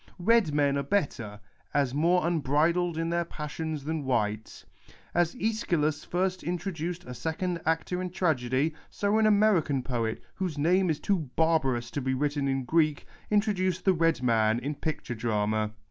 Red men are better, as more unbridled in their passions than white. As yEschylus first introduced a second actor in tragedy, so an American poet, whose name is too barbarous to be wTitten in Greek, introduced the red man in picture drama.